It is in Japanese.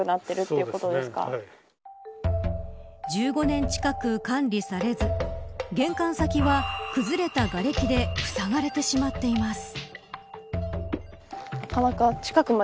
１５年近く管理されず玄関先は、崩れた瓦れきでふさがれてしまっています。